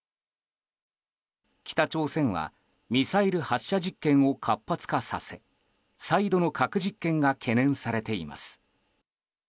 北朝鮮はミサイル発射実験を活発化させ再度の核実験が懸念されています。